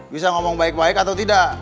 bisa ngomong baik baik atau tidak